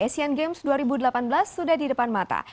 asian games dua ribu delapan belas sudah di depan mata